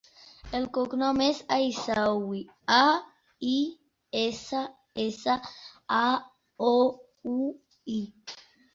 El cognom és Aissaoui: a, i, essa, essa, a, o, u, i.